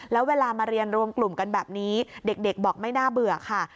แล้วเวลามาเรียนรวมกลุ่มกันแบบนี้เด็กบอกไม่น่าเบื่อค่ะ